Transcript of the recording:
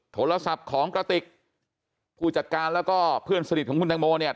โทรศัพท์ของกระติกผู้จัดการแล้วก็เพื่อนสนิทของคุณตังโมเนี่ย